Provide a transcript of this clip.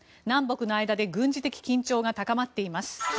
南北の間で軍事的緊張が高まっています。